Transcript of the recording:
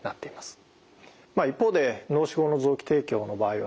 一方で脳死後の臓器提供の場合はですね